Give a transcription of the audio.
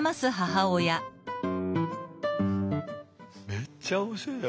めっちゃ面白いな。